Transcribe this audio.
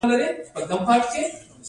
فزيکي مالي پانګې څخه برخمن نه دي.